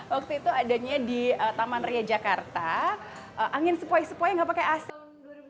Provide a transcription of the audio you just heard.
waktu itu adanya di taman ria jakarta angin sepoi sepoi nggak pakai asin